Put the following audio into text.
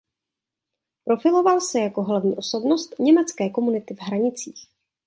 Profiloval se jako hlavní osobnost německé komunity v Hranicích.